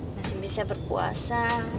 masih bisa berpuasa